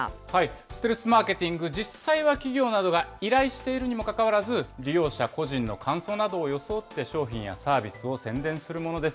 ステルスマーケティング、実際は企業などが依頼しているにもかかわらず、利用者個人の感想などを装って商品やサービスを宣伝するものです。